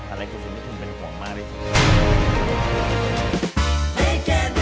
อะไรคือสิ่งที่คุณเป็นหวังมากเลย